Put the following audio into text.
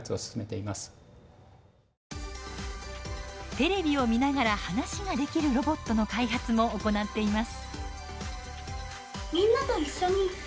テレビを見ながら話ができるロボットの開発も行っています。